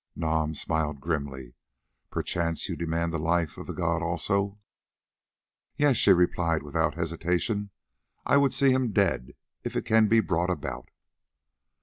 Nam smiled grimly. "Perchance you demand the life of the god also?" "Yes," she replied without hesitation, "I would see him dead if it can be brought about."